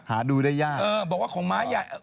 หาดูได้ยากเออบอกว่าของม้าใหญ่